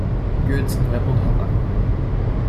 Goethe ne répondra pas.